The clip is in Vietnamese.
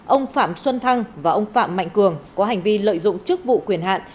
ông phạm xuân thăng và ông phạm mạnh cường có hành vi lợi dụng chức vụ quyền hạn